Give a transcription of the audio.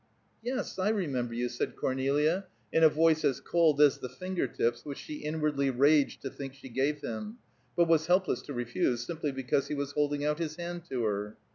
"Yes, I remember you," said Cornelia, in a voice as cold as the finger tips which she inwardly raged to think she gave him, but was helpless to refuse, simply because he was holding out his hand to her.